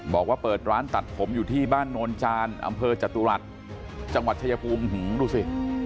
บอกว่าเปิดร้านตัดผมอยู่ที่บ้านโนนจานอำเภอจตุรัสจังหวัดชายภูมิดูสิ